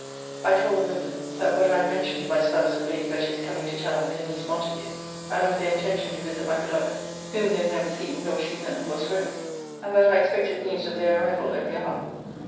I told the women, that what I had mentioned to my spouse of Lady Betty's coming to town with her niece Montague, and of their intention to visit my beloved, whom they had never seen, nor she them, was real; and that I expected news of their arrival every hour.